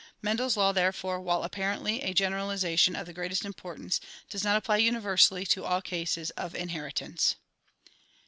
Mendel's law, therefore, while apparently a generalization of the greatest importance, does not apply universally to all cases of in heritance.